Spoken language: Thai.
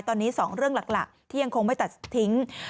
ตอนนี้๒เรื่องหลักที่ยังคงไม่ตัดทิ้ง